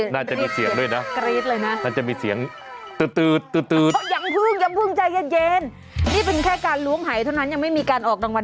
มาแล้วนะครับเอาละวันที่หนึ่งมาเลยอย่างอื่นก็ต้องเอา